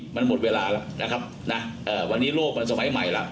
นะครับผมก็ต้องให้การว่าเขาให้การว่าเขาให้การขัดแย้งข้อเรียกจริงนะครับ